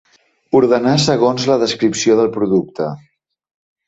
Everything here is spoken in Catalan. Ordenar segons la descripció del producte.